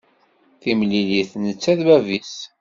Timlilit netta d bab-is.